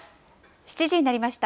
７時になりました。